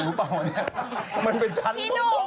มันเป็นชั้นป้องอย่างนี้